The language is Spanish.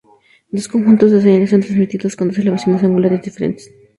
Dos conjuntos de señales son transmitidos con dos elevaciones angulares diferentes.